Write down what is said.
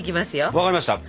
分かりました。